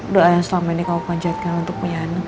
doa yang selama ini kau ber hopen jodhkamp untuk punya anak